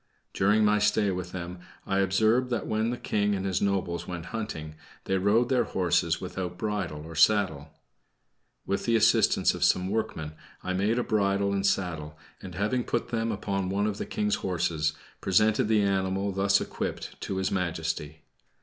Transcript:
During my stay with them, I observed that when the King and his nobles went hunting, they rode their horses without bridle or saddle. With the assistance of some workmen I made a bridle and saddle, and having put them upon one of the King's horses, presented the animal, thus equipped, to His Majesty.